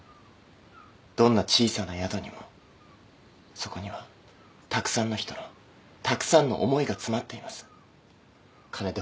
どんな小さな宿にもそこにはたくさんの人のたくさんの思いが詰まっています。